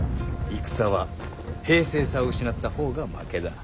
戦は平静さを失った方が負けだ。